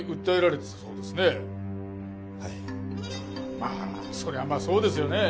まあそれはまあそうですよね。